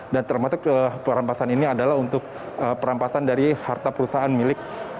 dan termasuk perampasan ini adalah untuk perampasan dari harta perusahaan miliknya